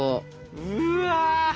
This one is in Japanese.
うわ！